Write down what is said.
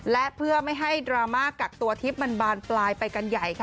และเพื่อไม่ให้ดราม่ากักตัวทิพย์มันบานปลายไปกันใหญ่ค่ะ